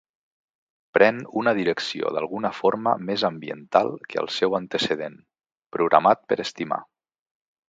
Pren una direcció d'alguna forma més ambiental que el seu antecedent, Programat per Estimar.